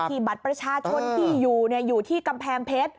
บัตรประชาชนที่อยู่อยู่ที่กำแพงเพชร